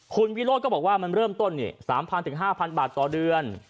คุณวิโรธก็บอกว่ามันเริ่มต้น๓๐๐๕๐๐บาทต่อเดือน